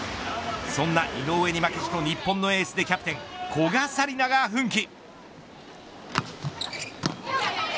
そんな井上に負けじと日本のエースでキャプテン古賀紗理那が奮起。